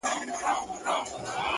زما له زړه یې جوړه کړې خېلخانه ده”